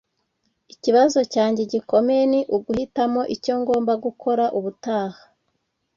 Ikibazo cyanjye gikomeye ni uguhitamo icyo ngomba gukora ubutaha